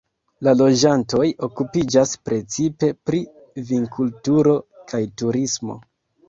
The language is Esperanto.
La loĝantoj okupiĝas precipe pri vinkulturo kaj turismo.